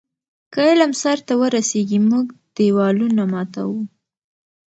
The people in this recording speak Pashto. که علم سرته ورسیږي، موږ دیوالونه ماتوو.